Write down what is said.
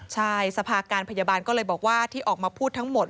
ใช่สภาการพยาบาลก็เลยบอกว่าที่ออกมาพูดทั้งหมด